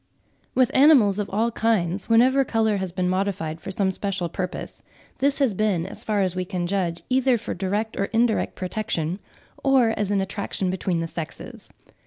With animals of all kinds, whenever colour has been modified for some special purpose, this has been, as far as we can judge, either for direct or indirect protection, or as an attraction between the sexes.